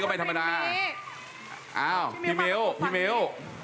อ้าวพี่มิ้ว